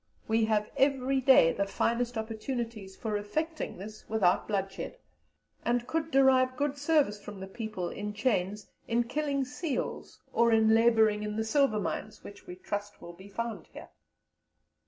We have every day the finest opportunities for effecting this without bloodshed, and could derive good service from the people, in chains, in killing seals or in labouring in the silver mines which we trust will be found here."